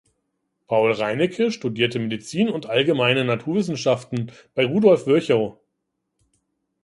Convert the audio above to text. Paul Reinecke studierte Medizin und allgemeine Naturwissenschaften bei Rudolf Virchow.